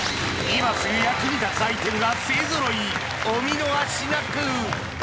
今すぐ役に立つアイテムが勢揃いお見逃しなく！